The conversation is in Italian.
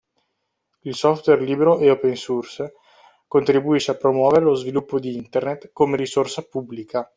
Il software libero e open source contribuisce a promuovere lo sviluppo di internet come risorsa pubblica.